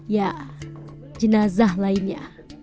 ya jenazah lainnya